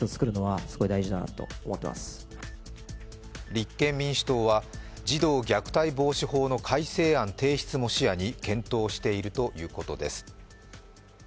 立憲民主党は児童虐待防止法の改正案提出も視野に検討しているということです。